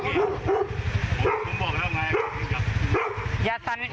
เฮ้ยเอาเขาดูกระเป๋าชักช้าเยอะนะเว้ย